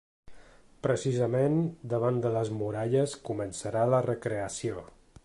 Precisament, davant de les muralles començarà la recreació.